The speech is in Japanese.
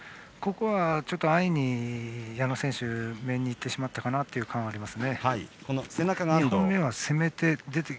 ここは安易に矢野選手が面にいってしまったかなという感があります。